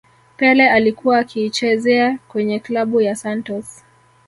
pele alikuwa akiichezea kwenye klabu ya santos